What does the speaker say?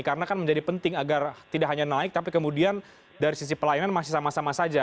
karena kan menjadi penting agar tidak hanya naik tapi kemudian dari sisi pelayanan masih sama sama saja